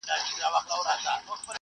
یوه ورځ به دې پخپله بندیوان وي !.